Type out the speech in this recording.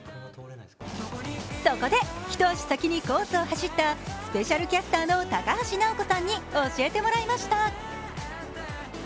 そこで、一足先にコースを走ったスペシャルキャスターの高橋尚子さんに教えてもらいました。